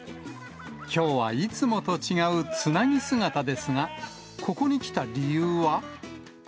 きょうはいつもと違うつなぎ姿ですが、ここに来た理由は？